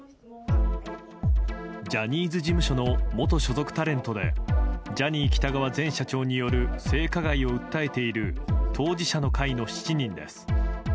ジャニーズ事務所の元所属タレントでジャニー喜多川前社長による性加害を訴えている当事者の会の７人です。